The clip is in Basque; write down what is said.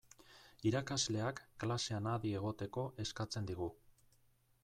Irakasleak klasean adi egoteko eskatzen digu.